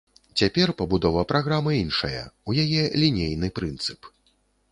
Цяпер пабудова праграмы іншая, у яе лінейны прынцып.